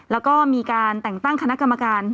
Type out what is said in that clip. แล้วก็มีการแต่งตั้งคณะกรรมการ